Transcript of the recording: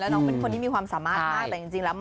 น้องเป็นคนที่มีความสามารถมากแต่จริงแล้ว